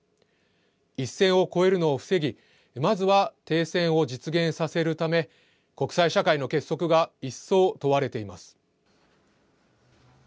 一線を越えるのを防ぎ、まずは停戦を実現させるため、国際社会の結束が一層問われています。